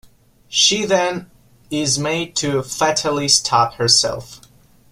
She then is made to fatally stab herself.